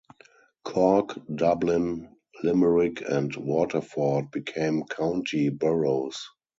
Cork, Dublin, Limerick and Waterford became county boroughs.